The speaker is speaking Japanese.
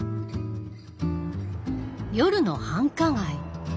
夜の繁華街。